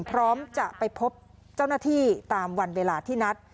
พร้อมจะไปพบเจ้าหน้าที่ตามวันเวลาที่นัด